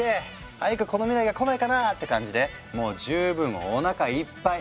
早くこの未来が来ないかな」って感じでもう十分おなかいっぱい。